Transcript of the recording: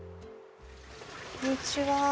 こんにちは。